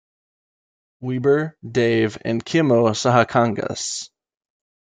Weber, Dave, and Kimmo Sahakangas.